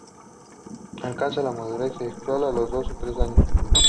Alcanzan la madurez sexual a los dos o tres años.